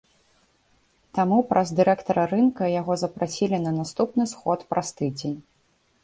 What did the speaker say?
Таму праз дырэктара рынка яго запрасілі на наступны сход праз тыдзень.